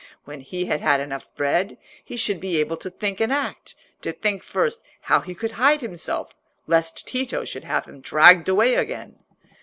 When he had had enough bread, he should be able to think and act—to think first how he could hide himself, lest Tito should have him dragged away again.